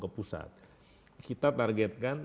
ke pusat kita targetkan